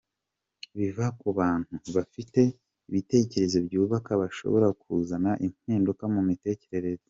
Biva ku bantu bafite ibitekerezo byubaka bashobora kuzana impinduka mu mitekerereze.